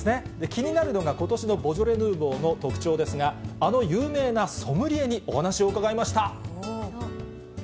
気になるのが、ことしのボジョレ・ヌーボーの特徴ですが、あの有名なソムリエにお話を伺いました。